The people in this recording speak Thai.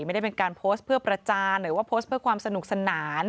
ไม่ได้เป็นการโพสต์เพื่อประจานหรือว่าโพสต์เพื่อความสนุกสนาน